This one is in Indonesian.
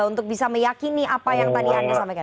untuk bisa meyakini apa yang tadi anda sampaikan